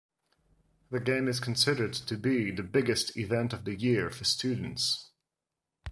The game is considered to be the biggest event of the year for students.